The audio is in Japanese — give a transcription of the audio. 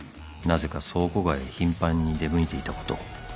なぜか倉庫街へ頻繁に出向いていたこと